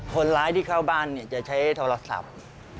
คนร้ายที่เข้าบ้านจะใช้โทรศัพท์